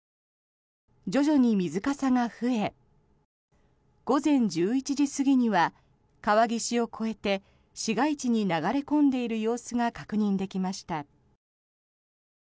徐々に水かさが増え午前１１時過ぎには川岸を越えて市街地に流れ込んでいる様子が確認できました。